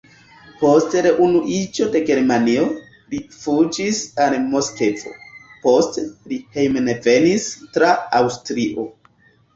Post reunuiĝo de Germanio, li fuĝis al Moskvo, poste li hejmenvenis tra Aŭstrio.